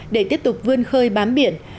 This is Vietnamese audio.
để tiếp tục vươn khơi bám biển